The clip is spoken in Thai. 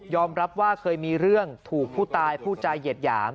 รับว่าเคยมีเรื่องถูกผู้ตายผู้จาเหยียดหยาม